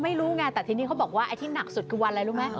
ไม่รู้ไงแต่ทีนี้เขาบอกว่าไอ้ที่หนักสุดคือวันอะไรรู้ไหม